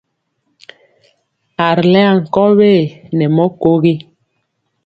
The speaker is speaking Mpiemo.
A ri lɛŋ ankɔwe nɛ mɔ kogi.